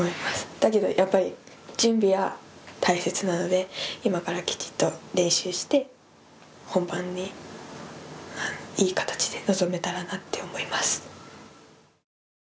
だけどやっぱり準備は大切なので今からきちっと練習して本番にいい形で臨めたらなって思います。